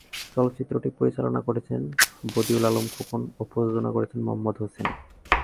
চলচ্চিত্রটি পরিচালনা করেছেন বদিউল আলম খোকন ও প্রযোজনা করেছেন মোহাম্মদ হোসেন।